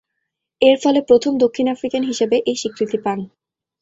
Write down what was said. এরফলে প্রথম দক্ষিণ আফ্রিকান হিসেবে এ স্বীকৃতি পান।